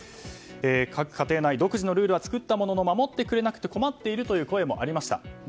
各家庭内独自のルールは作ったものの守ってくれなくて困っているという声がありました。